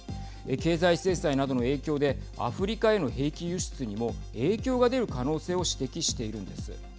経済制裁などの影響でアフリカへの兵器輸出にも影響が出る可能性を指摘しているんです。